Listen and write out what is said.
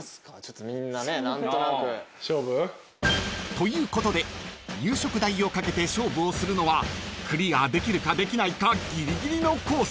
［ということで夕食代をかけて勝負をするのはクリアできるかできないかギリギリのコース］